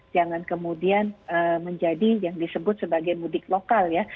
jangan kemudian menjadi yang disebut sebagai mudik lokal ya